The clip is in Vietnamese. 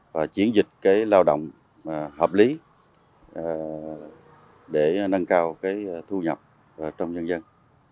và chiến dịch lao động hợp lý để nâng cao thu nhập trong dân dân